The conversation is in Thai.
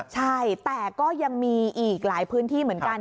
ใช่แต่ก็ยังมีอีกหลายพื้นที่เหมือนกัน